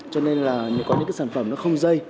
cho nên là có những cái sản phẩm nó không dây